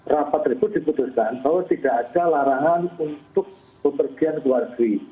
rapat tersebut diputuskan bahwa tidak ada larangan untuk bepergian ke luar negeri